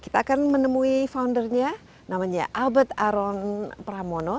kita akan menemui foundernya namanya albert aron pramono